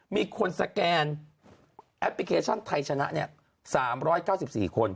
มีคนสแกนแอปพลิเคชันไทยชนะ๓๙๔คน